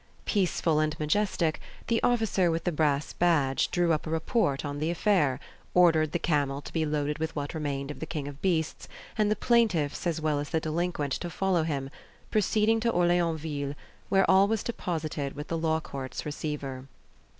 Peaceful and majestic, the officer with the brass badge drew up a report on the affair, ordered the camel to be loaded with what remained of the king of beasts, and the plaintiffs as well as the delinquent to follow him, proceeding to Orleansville, where all was deposited with the law courts receiver.